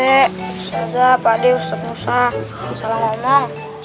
usah usah pakde ustadz musa salah ngomong